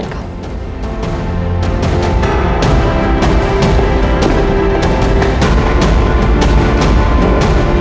dan kita harus memiliki kebenaran dengan diri kita